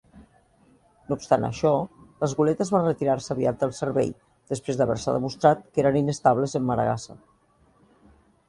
No obstant això, les goletes van retirar-se aviat del servei després d'haver-se demostrat que eren inestables en maregassa.